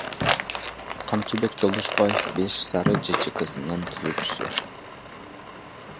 Камчыбек Жолдошбаев — Беш Сары ЖЧКсынын түзүүчүсү.